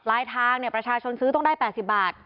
ลายทางประชาชนซื้อต้องได้๘๐บาท